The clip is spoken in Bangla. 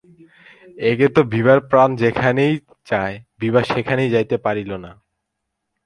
একে তো বিভার প্রাণ যেখানে যাইতে চায়, বিভা সেখানে যাইতে পারিল না।